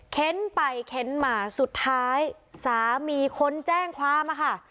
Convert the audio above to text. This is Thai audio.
เค้นไปเค้นมาสุดท้ายสามีคนแจ้งความค่ะ